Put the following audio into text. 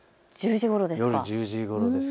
夜１０時ごろです。